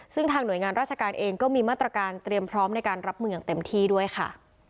ซึ่งทางหน่วยงานราชการเองก็มีมาตรการเตรียมพร้อมในการรับมืออย่างเต็มที่ด้วยค่ะ